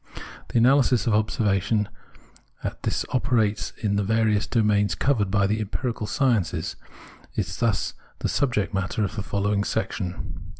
The analysis of observation as this operates in the various domains covered by the empirical sciences is thus the subject matter of the following section.